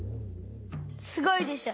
すごいでしょ。